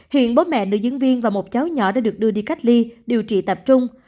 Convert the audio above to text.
hiện bố mẹ nữ diễn viên và một cháu nhỏ đã được đưa đi cách ly điều trị tập trung